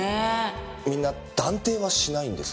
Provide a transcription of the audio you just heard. みんな断定はしないんです。